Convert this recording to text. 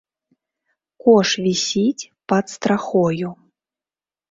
Кош вісіць пад страхою.